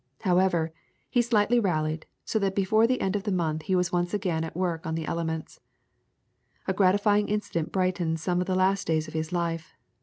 However, he slightly rallied, so that before the end of the month he was again at work at the "Elements." A gratifying incident brightened some of the last days of his life.